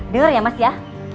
denger ya mas ya